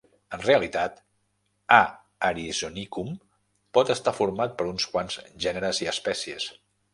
En realitat, "A. arizonicum" pot estar format per uns quants gèneres i espècies.